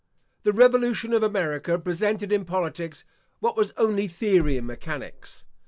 The revolution of America presented in politics what was only theory in mechanics.